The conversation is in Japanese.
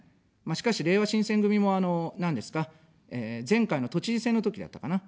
しかし、れいわ新選組も、あの、なんですか、前回の都知事選のときだったかな。